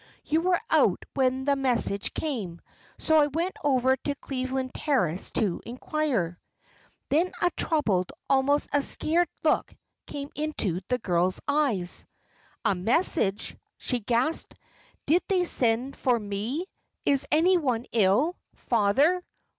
You were out when the message came, so I went over to Cleveland Terrace to inquire." Then a troubled, almost a scared look, came into the girl's eyes. "A message!" she gasped. "Did they send for me? Is any one ill father?